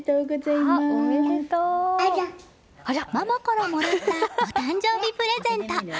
ママからもらったお誕生日プレゼント。